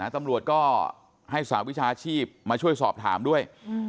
ตำรวจก็ให้สหวิชาชีพมาช่วยสอบถามด้วย